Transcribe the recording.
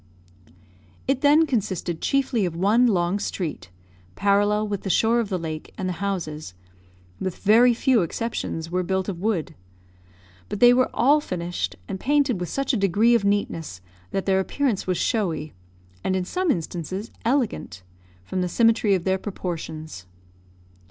It then consisted chiefly of one long street, parallel with the shore of the lake, and the houses, with very few exceptions, were built of wood; but they were all finished, and painted with such a degree of neatness, that their appearance was showy, and in some instances elegant, from the symmetry of their proportions.